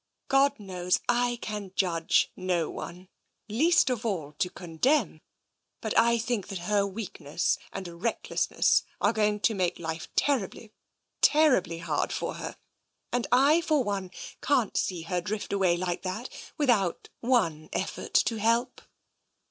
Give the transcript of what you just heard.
God knows, I can judge no one, least of all to condemn, but I think that her weakness and recklessness are going to make life terribly, terribly hard for her. And I, for one, can't see her drift away like that without one effort to help."